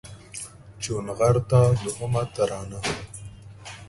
چونغرته دوهمه ترانه